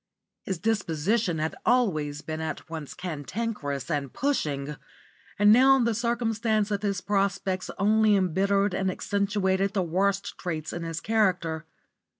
His disposition had always been at once cantankerous and pushing, and now the circumstance of his prospects only embittered and accentuated the worse traits in his character.